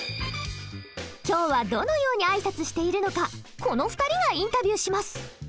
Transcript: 今日はどのように挨拶しているのかこの２人がインタビューします。